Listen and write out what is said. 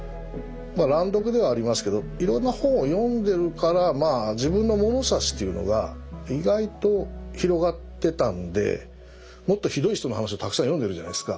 乱読ではありますけどいろんな本を読んでるからまあ自分の物差しというのが意外と広がってたんでもっとひどい人の話をたくさん読んでるじゃないですか。